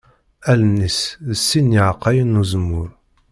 Allen-is d sin n yiɛeqqayen n uzemmur.